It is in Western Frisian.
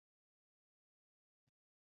Doch de lampen út.